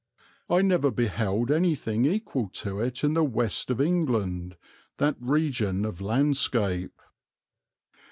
I never beheld anything equal to it in the West of England, that region of landscape."